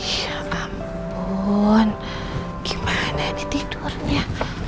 ya ampun gimana ini tidurnya